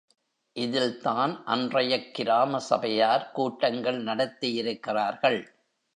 இதில்தான் அன்றையக் கிராம சபையார் கூட்டங்கள் நடத்தியிருக்கிறார்கள்.